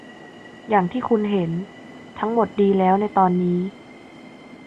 อย่างที่คุณเห็น ทั้งหมดดีแล้วในตอนนี้